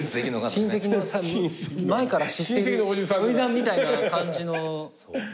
前から知ってるおじさんみたいな感じの。